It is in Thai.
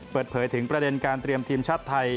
เปิดเผยถึงประเด็นการเตรียมทีมชาติไทย